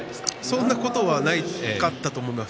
そんなことはなかったと思います。